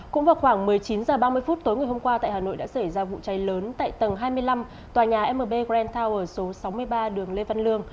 cũng vào khoảng một mươi chín h ba mươi tối hôm qua tại hà nội đã xảy ra vụ cháy lớn tại tầng hai mươi năm tòa nhà mb grand tower số sáu mươi ba đường lê văn lương